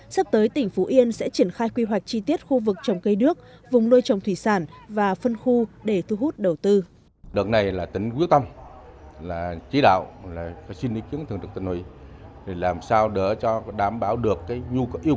sắp tới tỉnh phú yên sẽ triển khai quy hoạch chi tiết khu vực trồng cây nước vùng nuôi trồng thủy sản và phân khu để thu hút đầu tư